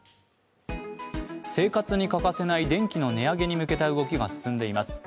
生活に欠かせない電気の値上げに向けた動きが進んでいます。